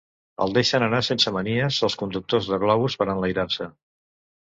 El deixen anar sense manies els conductors de globus per enlairar-se.